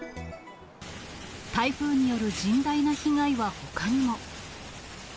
台風による甚大な被害はほかにも。